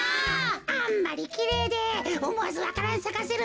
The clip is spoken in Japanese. あんまりきれいでおもわずわか蘭さかせるほどじゃぞ。